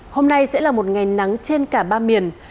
hôm nay sẽ là một ngày nắng trên cả ba miền